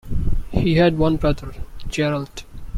He had one brother, Gerald.